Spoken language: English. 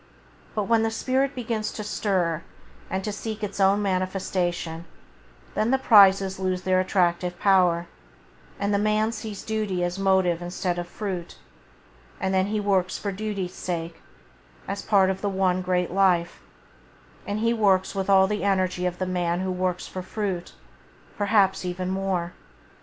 But when the spirit begins to stir and to seek its own manifestation, then the prizes lose their attractive power, and the man sees duty as motive instead of fruit. And then he works for duty's sake, as part of the One Great Life, [Page 12] and he works with all the energy of the man who works for fruit, perhaps even with more.